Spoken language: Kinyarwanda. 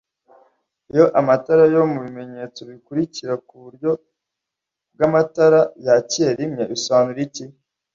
iyo amatara yo mubimenyetso bimurika kuburyo bwamatara yakiye rimwe bisobanura iki